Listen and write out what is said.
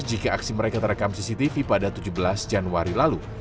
jika aksi mereka terekam cctv pada tujuh belas januari lalu